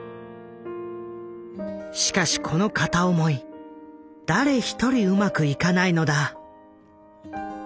しかしこの片思い誰一人うまくいかないのだ。